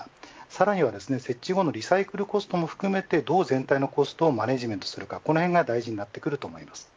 さらには設置後のリサイクルコストも含めてどう全体のコストをマネジメントするかこの辺が大事になってきます。